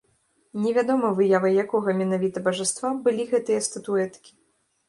Невядома, выявай якога менавіта бажаства былі гэтыя статуэткі.